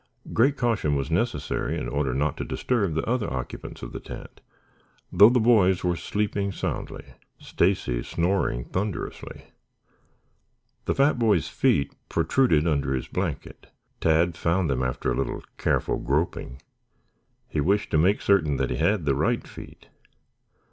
Great caution was necessary in order not to disturb the other occupants of the tent, though the boys were sleeping soundly, Stacy snoring thunderously. The fat boy's feet protruded from under his blanket. Tad found them after a little careful groping. He wished to make certain that he had the right feet.